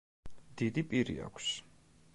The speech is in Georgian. დიდი პირი აქვს.